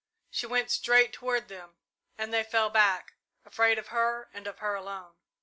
She went straight toward them, and they fell back, afraid of her and of her alone.